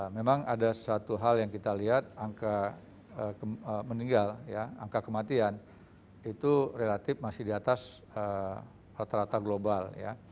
memang ada satu hal yang kita lihat angka meninggal angka kematian itu relatif masih di atas rata rata global